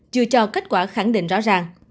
chưa cho kết quả khẳng định rõ ràng